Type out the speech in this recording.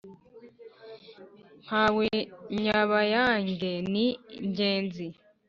mpawe nyabayange ni ngenzi